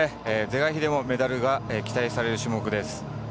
是が非でもメダルが期待される種目です。